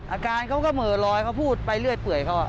อาการเขาก็เมอร์ร้อยเขาพูดไปเลือดเปื่อยเขา